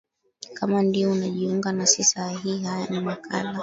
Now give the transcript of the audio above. kama ndio unajiunga nasi saa hii haya ni makala